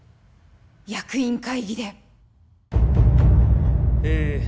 役員会議でえ